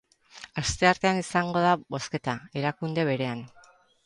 Asteartean izango da bozketa, erakunde berean.